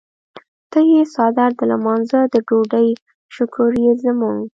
ته مو څادر د لمانځۀ د ډوډۍ شکور یې زموږ.